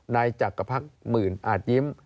นายจักรพรรคหมื่นอาจยิ้ม